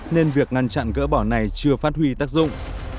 nên việc ngăn chặn gỡ bỏ này chưa phát huy tác dụng